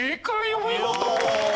お見事！